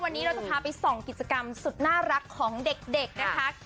วันนี้เราจะพาไปส่องกิจกรรมสุดน่ารักของเด็กนะคะ